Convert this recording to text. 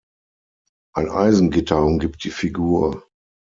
Ein Eisengitter umgibt die Figur.